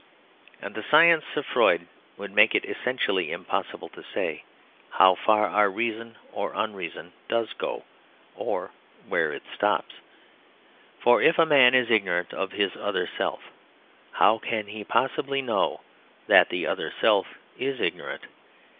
And the science of Freud would make it essentially impossible to say how far our reason or unreason does go, or where it stops. For if a man is ignorant of his other self, how can he possibly know that the other self is ignorant?